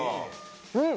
うん！